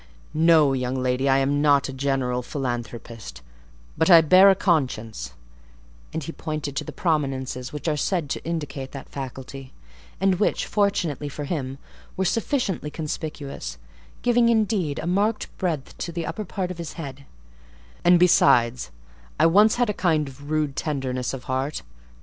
No, young lady, I am not a general philanthropist; but I bear a conscience;" and he pointed to the prominences which are said to indicate that faculty, and which, fortunately for him, were sufficiently conspicuous; giving, indeed, a marked breadth to the upper part of his head: "and, besides, I once had a kind of rude tenderness of heart.